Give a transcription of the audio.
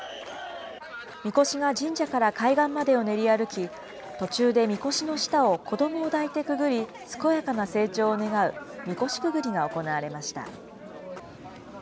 みこしが神社から海岸までを練り歩き、途中でみこしの下を子どもを抱いてくぐり、健やかな成長を願う神輿くぐりが行われました。